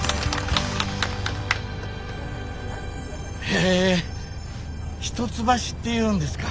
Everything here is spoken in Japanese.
へえ一橋っていうんですか。